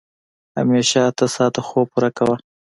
همېشه اته ساعته خوب پوره کوه.